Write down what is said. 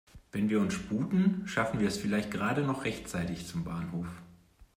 Wenn wir uns sputen, schaffen wir es vielleicht gerade noch rechtzeitig zum Bahnhof.